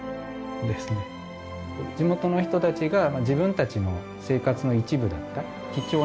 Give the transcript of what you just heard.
地元の人たちが自分たちの生活の一部だった。